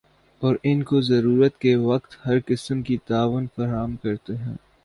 اور ان کو ضرورت کے وقت ہر قسم کی تعاون فراہم کرتے ہیں ۔